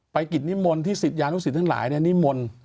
ไปกิจนิมมลที่สิทธิ์ยานุสิทธิ์ทั้งหลายนิมมล